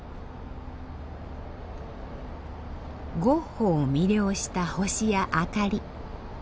ゴッホを魅了した星や明かり。